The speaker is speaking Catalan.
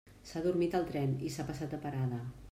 S'ha adormit al tren i s'ha passat de parada.